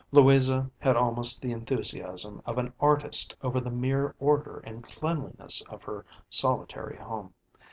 Louisa had almost the enthusiasm of an artist over the mere order and cleanliness of her solitary home.